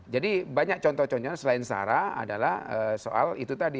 jadi banyak contoh contohnya selain sarah adalah soal itu tadi